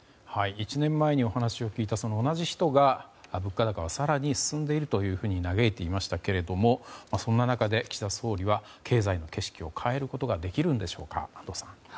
１年前にお話を聞いた同じ人が物価高は更に進んでいると嘆いていましたけれどもそんな中で岸田総理は経済の景色を変えることができるんでしょうか、安藤さん。